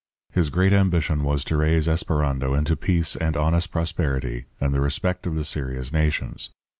His great ambition was to raise Esperando into peace and honest prosperity and the respect of the serious nations.